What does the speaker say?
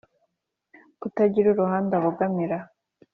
kutagira uruhande abogamira